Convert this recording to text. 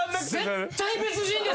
絶対別人でしょ。